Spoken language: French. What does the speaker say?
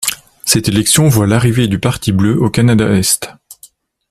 Cette élection voit l'arrivée du Parti bleu au Canada-Est.